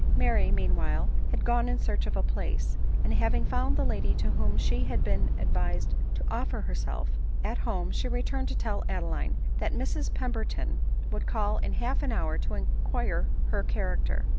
Mary, meanwhile, had gone in search of a place ; and having found the lady to whom she had been advised to offer herself, at home, she returned to tell Adeline that Mrs Pemberton would call in half an hour to inquire her character.